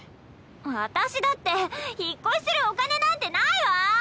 私だって引っ越しするお金なんてないわ！